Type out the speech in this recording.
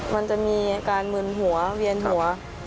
มันจะมีอาการมึนหัวเวียนหัว